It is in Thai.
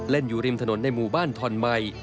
เล่นอยู่ริมถนนในหมู่บ้านธรรมัย